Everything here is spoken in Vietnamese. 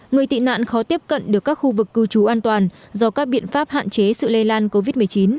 người tị nạn khó tiếp cận được các khu vực cư trú an toàn do các biện pháp hạn chế sự lây lan covid một mươi chín